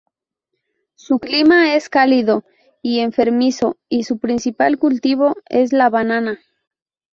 Su clima es cálido y enfermizo, y su principal cultivo es la banana.